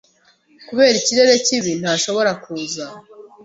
Kubera ikirere kibi, ntashobora kuza.